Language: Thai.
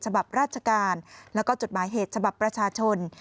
ฉบับราชการและจุดหมายเหตุฉบับประชาชน